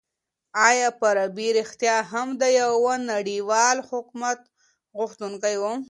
آیا فارابي رښتيا هم د يوه نړيوال حکومت غوښتونکی و؟